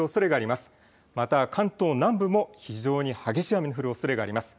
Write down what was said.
また関東南部も非常に激しい雨の降るおそれがあります。